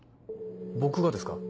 僕がですか？